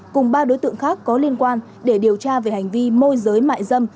cùng ba đối tượng khác có liên quan để điều tra về hành vi môi giới mại dâm